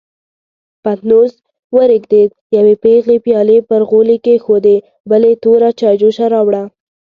پتنوس ورېږدېد، يوې پېغلې پيالې پر غولي کېښودې، بلې توره چايجوشه راوړه.